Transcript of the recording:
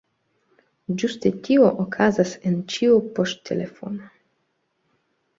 Ĝuste tio okazas en ĉiu poŝtelefono.